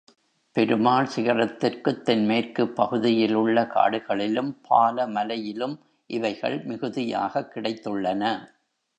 பெருமாள் சிகரத்திற்குத் தென்மேற்குப் பகுதியிலுள்ள காடுகளிலும் பாலமலையிலும் இவைகள் மிகுதியாகக் கிடைத்துள்ளன.